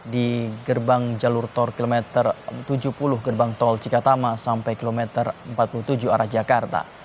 di gerbang jalur tol kilometer tujuh puluh gerbang tol cikatama sampai kilometer empat puluh tujuh arah jakarta